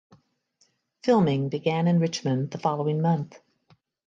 Filming began in Richmond the following month.